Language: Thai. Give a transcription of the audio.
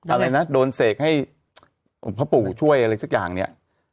อะไรนะโดนเสกให้พ่อปู่ช่วยอะไรสักอย่างเนี่ย